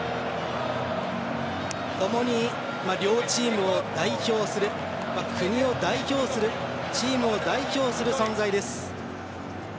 ともに両チームを代表する国を代表するチームを代表する存在です。